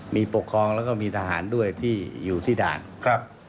มีปกครองแล้วก็มีทหารด้วยที่อยู่ที่ด่านครับ